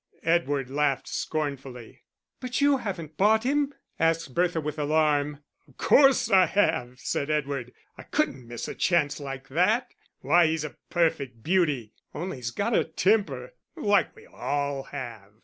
Edward laughed scornfully. "But you haven't bought him?" asked Bertha, with alarm. "Of course I have," said Edward. "I couldn't miss a chance like that. Why, he's a perfect beauty only he's got a temper, like we all have."